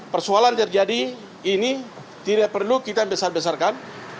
persoalan terjadi ini tidak perlu kita besar besarkan